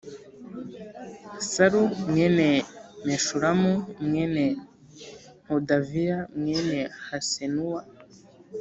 Salu mwene Meshulamu mwene Hodaviya mwene Hasenuwa